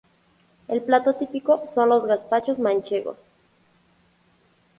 El plato típico son los gazpachos manchegos.